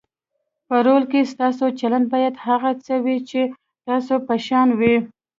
په رول کې ستاسو چلند باید هغه څه وي چې ستاسو په شان وي.